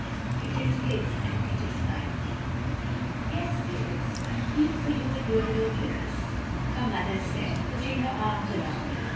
It is his and it is mine." "Yes, dearest. I feel for you in your loneliness," her mother said, putting her arms around her.